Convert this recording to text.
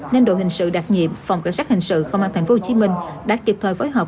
nên đội hình sự đặc nhiệm phòng cảnh sát hình sự công an tp hcm đã kịp thời phối hợp